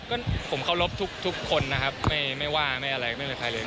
ก็ผมเคารพทุกคนนะครับไม่ว่าไม่อะไรไม่มีใครเลย